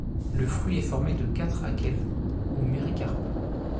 Le fruit est formé de quatre akènes, ou méricarpes.